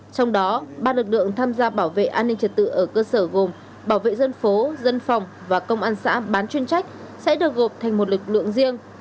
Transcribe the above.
trong đó ba lực lượng tham gia bảo vệ an ninh trật tự ở cơ sở gồm bảo vệ dân phố dân phòng và công an xã bán chuyên trách sẽ được gộp thành một lực lượng riêng